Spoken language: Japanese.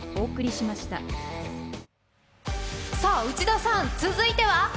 内田さん、続いては？